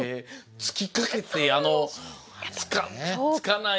つきかけてあのつかない。